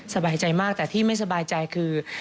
สบายใจมากแต่ที่ไม่สบายใจคือ